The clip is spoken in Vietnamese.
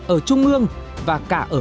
ở trung ương và cả ở